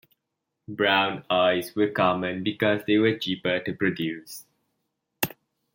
Brown oils were common because they were cheaper to produce.